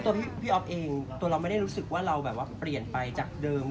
ตัวพี่อ๊อฟเองตัวเราไม่ได้รู้สึกว่าเราแบบว่าเปลี่ยนไปจากเดิม